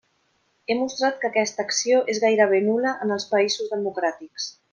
He mostrat que aquesta acció és gairebé nul·la en els països democràtics.